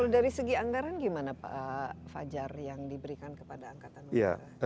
kalau dari segi anggaran gimana pak fajar yang diberikan kepada angkatan udara